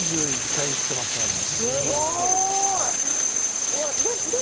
２１回行っていますね、